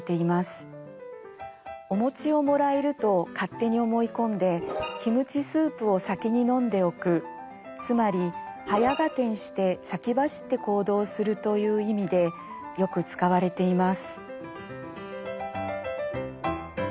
おもちをもらえると勝手に思い込んでキムチスープを先に飲んでおくつまり早合点して先走って行動するという意味でよく使われています。